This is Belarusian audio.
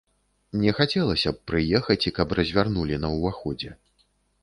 Не хацелася б прыехаць, і каб развярнулі на ўваходзе.